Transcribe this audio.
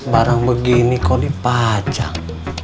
barang begini kau dipacang